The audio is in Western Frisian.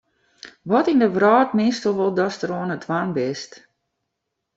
Wat yn de wrâld miensto wol datst dêr oan it dwaan bist?